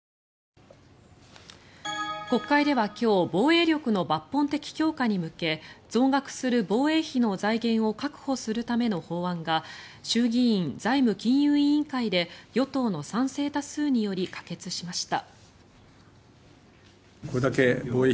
国会では今日防衛力の抜本的強化に向け増額する防衛費の財源を確保するための法案が衆議院財務金融委員会で与党の賛成多数により可決しました。